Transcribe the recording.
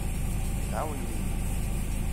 Tɛawnem-iyi.